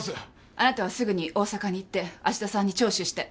あなたはすぐに大阪に行って芦田さんに聴取して。